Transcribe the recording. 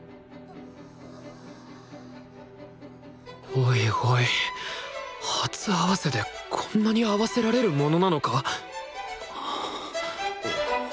おいおい初合わせでこんなに合わせられるものなのか！？